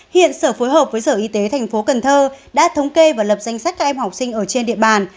hiện sở phối hợp với sở y tế tp cn đã thống kê và lập danh sách các em học sinh ở trên địa bàn